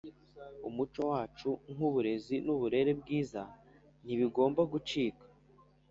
umuco wacu nk’uburezi n’uburere bwiza ntibigomba gucika